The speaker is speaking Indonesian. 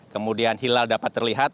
kemudian hilal dapat terlihat